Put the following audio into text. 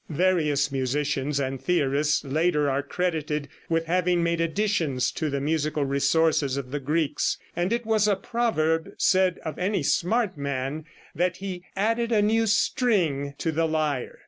Various musicians and theorists later are credited with having made additions to the musical resources of the Greeks, and it was a proverb, said of any smart man, that he "added a new string to the lyre."